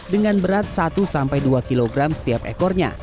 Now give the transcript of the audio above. dengan berat satu dua kilogram setiap ekornya